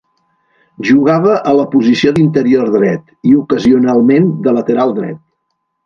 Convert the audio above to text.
Jugava a la posició d'interior dret, i ocasionalment de lateral dret.